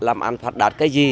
thì họ làm ăn phát đạt cái gì